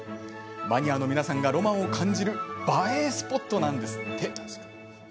マニアの皆さんがロマンを感じる映えスポットなんですって。